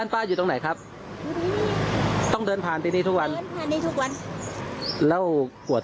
พอทำไม่ได้แบบนี้ประตูจะเล่นกัน